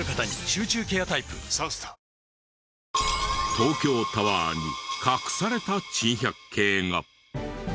東京タワーに隠された珍百景が。